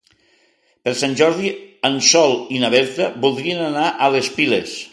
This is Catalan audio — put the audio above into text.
Per Sant Jordi en Sol i na Berta voldrien anar a les Piles.